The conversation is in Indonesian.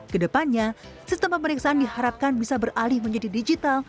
kedepannya sistem pemeriksaan diharapkan bisa beralih menjadi digital